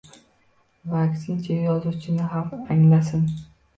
Va aksincha, yozuvchini xalq anglasin.